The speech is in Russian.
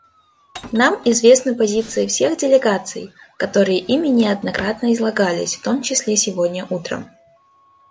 Нам известны позиции всех делегаций, которые ими неоднократно излагались, в том числе сегодня утром.